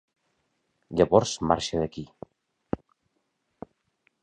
Llavors marxa d'aquí.